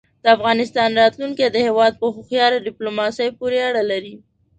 د افغانستان راتلونکی د هېواد په هوښیاره دیپلوماسۍ پورې اړه لري.